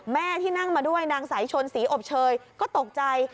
แม่ที่นั่งมาด้วยนางสายชนศรีอบเชยก็ตกใจ